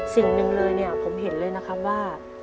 สิ่งหนึ่งเลยเนี่ยผมเห็นเลยนะครับว่า